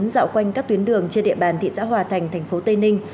dạo quanh các tuyến đường trên địa bàn thị xã hòa thành thành phố tây ninh